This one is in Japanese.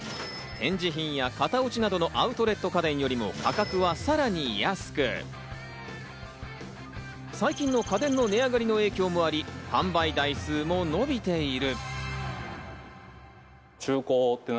展示品や型落ちなどのアウトレット家電よりも価格はさらに安く、最近の家電の値上がりの影響もあり、販売台数も伸びている。